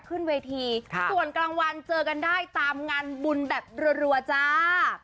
ขึ้นเวทีส่วนกลางวันเจอกันได้ตามงานบุญแบบรัวจ้า